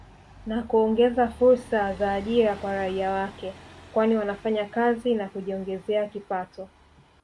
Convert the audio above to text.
Na kuongeza fursa za ajira kwa raia wake kwani wanafanya kazi na kujiongezea kipato